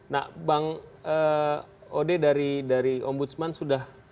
nah bang ode dari ombudsman sudah